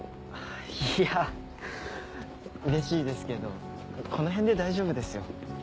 いやうれしいですけどこの辺で大丈夫ですよ。